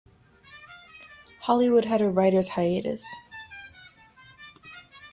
Hollywood had a writers hiatus.